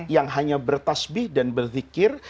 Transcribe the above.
yang hanya bertasbih dan berzikir